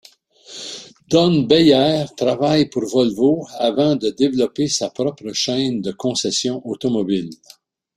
Don Beyer travaille pour Volvo avant de développer sa propre chaîne de concessions automobiles.